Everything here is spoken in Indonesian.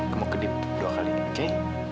kamu kedip dua kali dicek